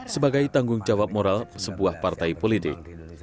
sebagai tanggung jawab moral sebuah partai politik